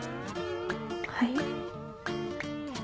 はい。